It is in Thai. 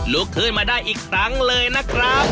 ลุกขึ้นมาได้อีกครั้งเลยนะครับ